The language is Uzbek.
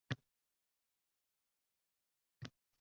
–Shunday! – javob qildi ikkita televideniyechi.